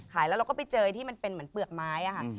แล้วเราก็ไปเจอที่มันเป็นเหมือนเปลือกไม้ค่ะ